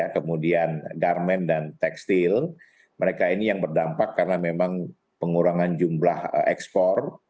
kemudian garmen dan tekstil mereka ini yang berdampak karena memang pengurangan jumlah ekspor